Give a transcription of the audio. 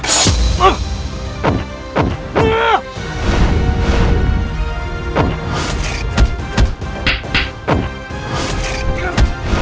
jangan sampai dia tercampur